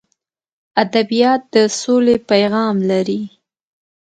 ادبیات د سولې پیغام لري.